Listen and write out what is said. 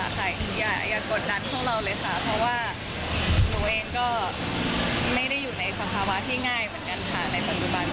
ขอให้ทุกคนเชื่อใจค่ะว่าพวกเราได้คิดใช้เวลากับเรื่องนี้อย่างมาก